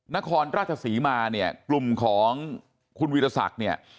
นครราชศรีมากลุ่มของคุณวีรศักดิ์